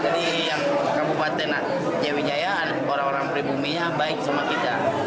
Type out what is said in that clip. jadi yang kabupaten jawa hijaya orang orang dari bumi baik sama kita